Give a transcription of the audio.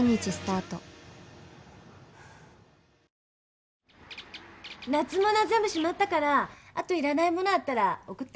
オールインワン夏物は全部しまったからあと要らないものあったら送って。